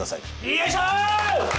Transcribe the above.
よいしょ